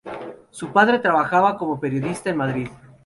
Su padre trabajaba como periodista en Madrid.